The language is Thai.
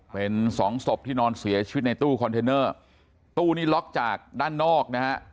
เป็นสองศพที่นอนเสียชีวิตในตู้คอนเทนเนอร์ตู้นี้ล็อกจากด้านนอกนะฮะ